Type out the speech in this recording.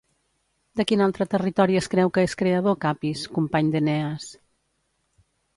De quin altre territori es creu que és creador Capis, company d'Eneas?